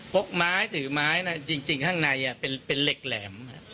พกไม้ถือไม้น่ะจริงจริงข้างในอ่ะเป็นเป็นเหล็กแหลม